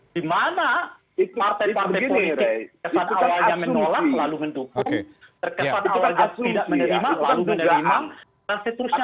dimana partai partai politik terkesan awalnya menolak lalu mendukung terkesan awalnya tidak menerima lalu menerima